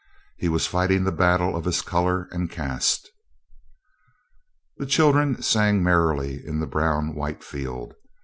He was fighting the battle of his color and caste. The children sang merrily in the brown white field.